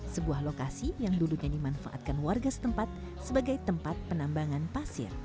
sebuah lokasi yang dulunya dimanfaatkan warga setempat sebagai tempat penambangan pasir